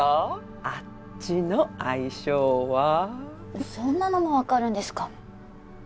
あっちの相性はそんなのも分かるんですか？